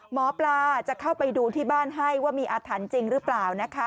หมอปลาจะเข้าไปดูที่บ้านให้ว่ามีอาถรรพ์จริงหรือเปล่านะคะ